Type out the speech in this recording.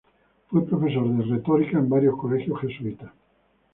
Fue profesor de retórica en varios colegios jesuitas.